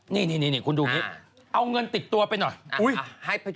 นี่คุณดูดูนี่เอาเงินติดตัวไปหน่อยอ๋อนี่